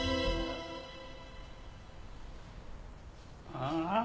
ああ？